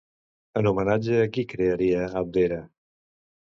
En homenatge a qui crearia Abdera?